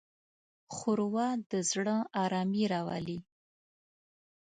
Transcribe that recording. ښوروا د زړه ارامي راولي.